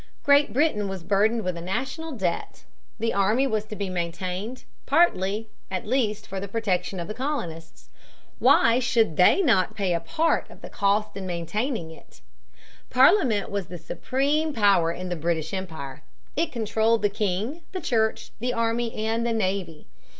Great Britain was burdened with a national debt. The army was to be maintained, partly, at least, for the protection of the colonists. Why should they not pay a part of the cost of maintaining it? Parliament was the supreme power in the British Empire. It controlled the king, the church, the army, and the navy.